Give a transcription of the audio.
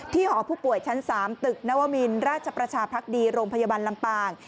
หอผู้ป่วยชั้น๓ตึกนวมินราชประชาภักดีโรงพยาบาลลำปาง